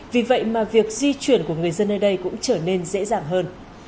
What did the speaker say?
vì vậy mà việc di chuyển của người dân nơi đây cũng trở nên dễ dàng hơn